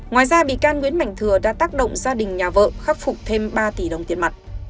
ngoài ra bị can nguyễn mạnh thừa đã tác động gia đình nhà vợ khắc phục thêm ba tỷ đồng tiền mặt